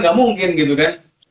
gak mungkin gitu kan